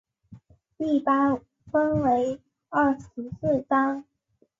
一般分为二十四章。